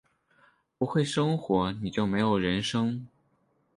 不会生活，你就没有人生